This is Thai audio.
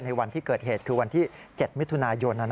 วันที่เกิดเหตุคือวันที่๗มิถุนายน